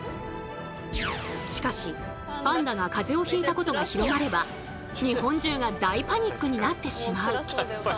しかしパンダがかぜをひいたことが広まれば日本中が大パニックになってしまう。